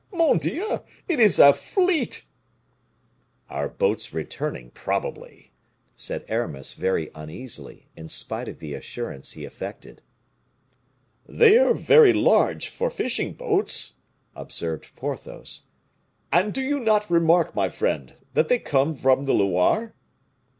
mon Dieu!_ it is a fleet!" "Our boats returning, probably," said Aramis, very uneasily, in spite of the assurance he affected. "They are very large for fishing boats," observed Porthos, "and do you not remark, my friend, that they come from the Loire?"